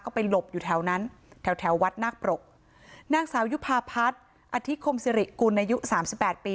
ก็ไปหลบอยู่แถวนั้นแถววัดนักปรกนางสาวยุภาพัฒน์อธิคมศิริกูณายุ๓๘ปี